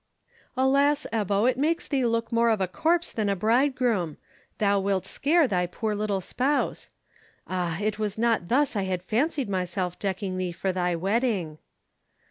"Alas, Ebbo! it makes thee look more of a corpse than a bridegroom. Thou wilt scare thy poor little spouse. Ah! it was not thus I had fancied myself decking thee for thy wedding."